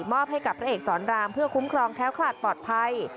อบให้กับพระเอกสอนรามเพื่อคุ้มครองแค้วคลาดปลอดภัย